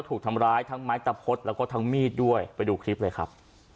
ถูกทำร้ายทั้งไม้ตะพดแล้วก็ทั้งมีดด้วยไปดูคลิปเลยครับ